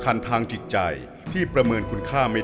เหมือนเล็บแต่ของห้องเหมือนเล็บตลอดเวลา